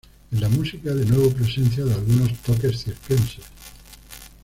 En la música de nuevo presencia de algunos toques circenses.